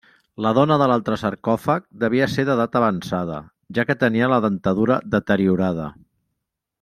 La dona de l'altre sarcòfag devia ser d'edat avançada, ja que tenia la dentadura deteriorada.